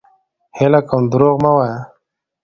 هيله کوم دروغ مه وايه!